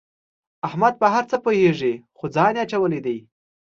احمد په هر څه پوهېږي خو ځان یې اچولی دی.